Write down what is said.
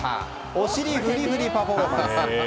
お尻フリフリパフォーマンス。